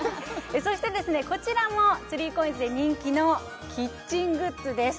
そしてこちらも３ＣＯＩＮＳで人気のキッチングッズです